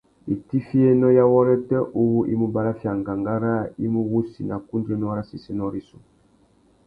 Itiffiyénô ya wôrêtê uwú i mú baraffia angangá râā i mú wussi nà kundzénô râ séssénô rissú.